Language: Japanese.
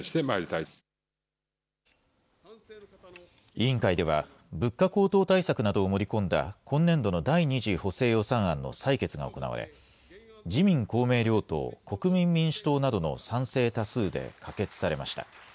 委員会では、物価高騰対策などを盛り込んだ今年度の第２次補正予算案の採決が行われ、自民、公明両党、国民民主党などの賛成多数で可決されました。